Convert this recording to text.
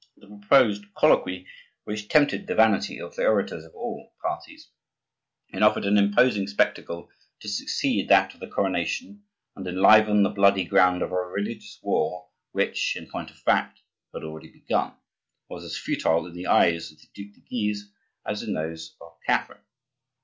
The proposed "colloquy" which tempted the vanity of the orators of all parties, and offered an imposing spectacle to succeed that of the coronation and enliven the bloody ground of a religious war which, in point of fact, had already begun, was as futile in the eyes of the Duc de Guise as in those of Catherine.